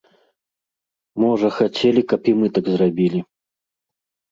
Можа, хацелі, каб і мы так зрабілі.